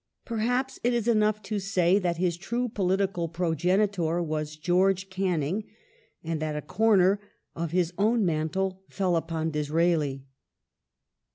Perhaps it lis enough to say that his true political progenitor was George jCanning; and that a comer of his own mantle fell upon Disraeli.